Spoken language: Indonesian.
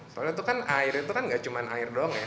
soalnya itu kan air itu kan gak cuma air doang ya